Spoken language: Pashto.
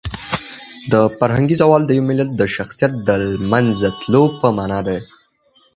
فرهنګي زوال د یو ملت د شخصیت د لمنځه تلو په مانا دی.